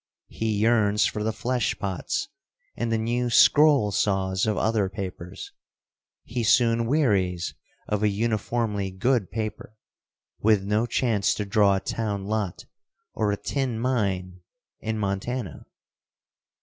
He yearns for the flesh pots and the new scroll saws of other papers. He soon wearies of a uniformly good paper, with no chance to draw a town lot or a tin mine in Montana.